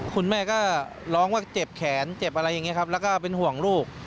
คุณแม่ก็ร้องว่าเจ็บแขนเจ็บอะไรอย่างนี้ครับแล้วก็เป็นห่วงลูก